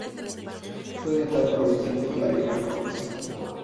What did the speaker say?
Fue editado por el sello Fly Records.